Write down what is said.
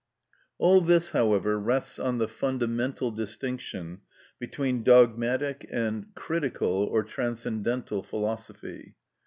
All this, however, rests on the fundamental distinction between dogmatic and critical or transcendental philosophy.